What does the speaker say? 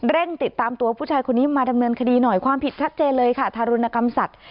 ติดตามตัวผู้ชายคนนี้มาดำเนินคดีหน่อยความผิดชัดเจนเลยค่ะทารุณกรรมสัตว์